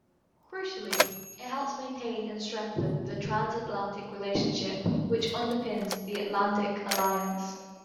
Crucially, it helps maintain and strengthen the transatlantic relationship, which underpins the Atlantic Alliance.